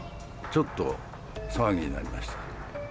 ちょっと騒ぎになりました。